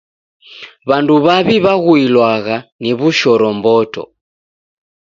W'andu w'aw'i w'aghuilwagha ni wushoromboto.